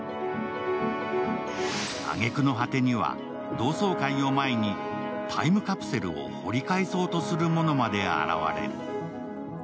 挙げ句の果てには同窓会を前にタイムカプセルを掘り返そうとするものまで現れる。